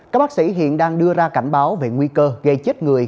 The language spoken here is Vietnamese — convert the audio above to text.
các bác sĩ hiện đang đưa ra cảnh báo về nguy cơ gây chết người